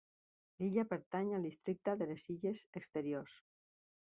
L'illa pertany al districte de les Illes Exteriors.